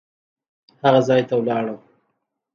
هغه ځای ته لاړم.